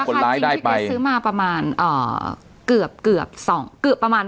คนร้ายได้ไปซื้อมาประมาณเอ่อเกือบเกือบสองเกือบประมาณ